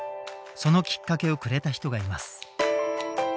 そのきっかけをくれた人がいます。